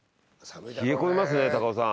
冷え込みますね高男さん